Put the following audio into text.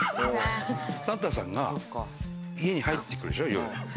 サンタさんが家に入ってくるでしょ、夜。